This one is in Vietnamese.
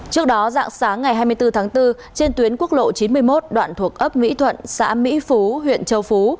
trước đó dạng sáng ngày hai mươi bốn tháng bốn trên tuyến quốc lộ chín mươi một đoạn thuộc ấp mỹ thuận xã mỹ phú huyện châu phú